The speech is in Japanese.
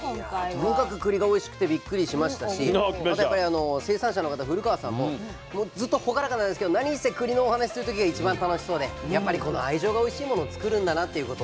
いやとにかくくりがおいしくてびっくりしましたしまたやっぱりあの生産者の方古川さんももうずっと朗らかなんですけどなにせくりのお話する時が一番楽しそうでやっぱりこの愛情がおいしいものを作るんだなっていうことをね